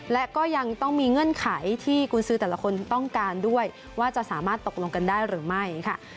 และก็ยังต้องมีเงื่อนไขที่กุญสือแต่ละคนต้องการด้วยว่าจะสามารถตกลงกันได้หรือไม่ค่ะ